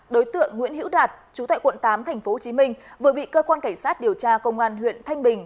đối tượng nguyễn hiễu đạt chú tại quận tám tp hcm vừa bị cơ quan cảnh sát điều tra công an huyện thanh bình